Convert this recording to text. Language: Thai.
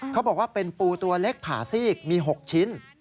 เขาบอกว่าเป็นปูตัวเล็กผ่าซีกมี๖ชิ้น